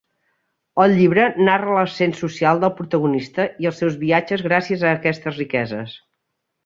El llibre narra l'ascens social del protagonista i els seus viatges gràcies a aquestes riqueses.